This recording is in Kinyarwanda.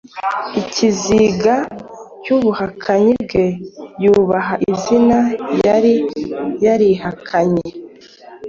ikizinga cy’ubuhakanyi bwe yubaha izina yari yarihakanye.